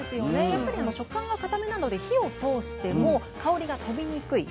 やっぱり食感がかためなので火を通しても香りが飛びにくい。